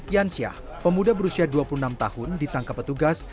yansyah pemuda berusia dua puluh enam tahun ditangkap petugas